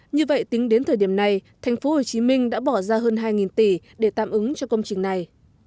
như vậy tính đến thời điểm này tp hcm đã bỏ ra hơn hai tỷ để tạm ứng cho công trình này